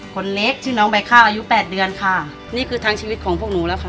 คนเล็กชื่อน้องใบข้าวอายุแปดเดือนค่ะนี่คือทางชีวิตของพวกหนูแล้วค่ะ